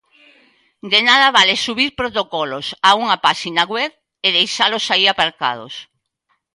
De nada vale subir protocolos a unha páxina web e deixalos aí aparcados.